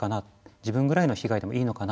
自分ぐらいの被害でもいいのかな